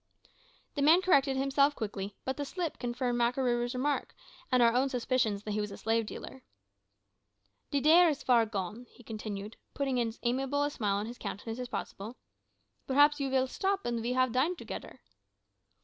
The man corrected himself quickly, but the slip confirmed Makarooroo's remark and our own suspicions that he was a slave dealer. "De day is far gone," he continued, putting as amiable a smile on his countenance as possible; "perhaps you vill stop and we have dine togedder."